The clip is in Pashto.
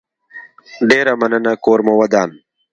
ډيره مننه کور مو ودان